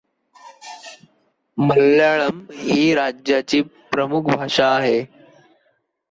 मल्याळम ही राज्याची प्रमुख भाषा आहे.